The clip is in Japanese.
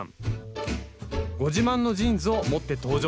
ご自慢のジーンズを持って登場です